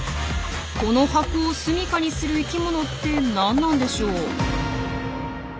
この箱をすみかにする生きものって何なんでしょう？